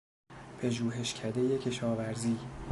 پژوهشکدهی کشاورزی